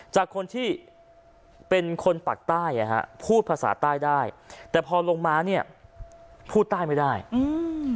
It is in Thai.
จากคนที่เป็นคนปากใต้อ่ะฮะพูดภาษาใต้ได้แต่พอลงมาเนี้ยพูดใต้ไม่ได้อืม